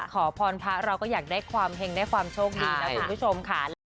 ขอพรพระเราก็อยากได้ความเห็งได้ความโชคดีนะคุณผู้ชมค่ะ